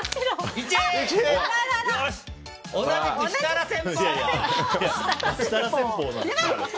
１！同じく設楽戦法！